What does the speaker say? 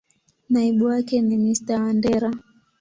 Naibu wake ni Mr.Wandera.